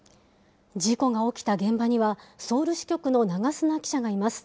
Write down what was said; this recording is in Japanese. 事故が起きた現場には、ソウル支局の長砂記者がいます。